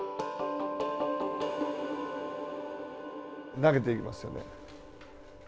投げていきますよね。